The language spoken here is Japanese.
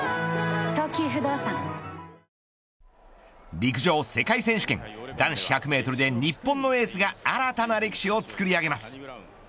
陸上世界選手権男子１００メートルで日本のエースが新たな歴史を作り上げます。